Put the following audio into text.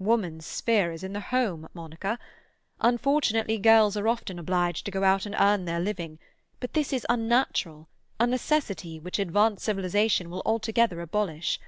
"Woman's sphere is the home, Monica. Unfortunately girls are often obliged to go out and earn their living, but this is unnatural, a necessity which advanced civilization will altogether abolish.